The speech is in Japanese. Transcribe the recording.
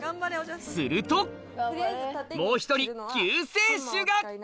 するともう１人救世主が！